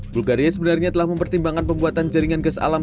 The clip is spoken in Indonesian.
bulgaria sebenarnya telah mempertimbangkan pembuatan jaringan gas alam